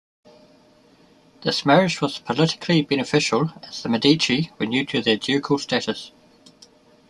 This marriage was politically beneficial as the Medici were new to their ducal status.